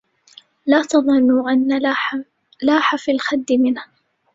لا تظنوا إن لاح في الخد منه